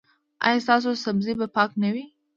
ایا ستاسو سبزي به پاکه نه وي؟